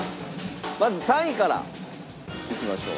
まず３位からいきましょう。